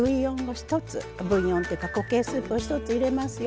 ブイヨンの固形スープを１つ入れますよ。